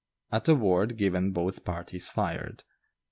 At the word given both parties fired.